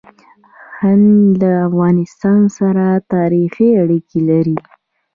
هند له افغانستان سره تاریخي اړیکې لري.